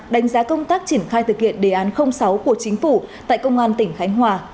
đánh giá công tác triển khai thực hiện đề án sáu của chính phủ tại công an tỉnh khánh hòa